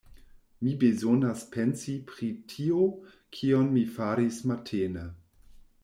Mi bezonas pensi pri tio, kion mi faris matene.